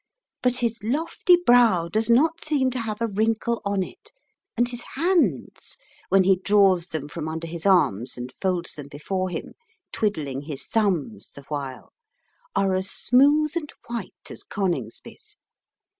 But his lofty brow does not seem to have a wrinkle on it, and his hands, when he draws them from under his arms and folds them before him, twiddling his thumbs the while, are as smooth and white as Coningsby's.